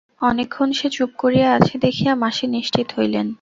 অনেকক্ষণ সে চুপ করিয়া আছে দেখিয়া মাসি নিশ্চিত হইলেন।